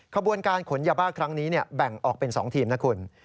ขบวนการขนยาบ้าครั้งนี้แบ่งออกเป็น๒ทีมนะคุณ